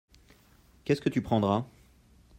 Qu’est-ce que tu prendras ?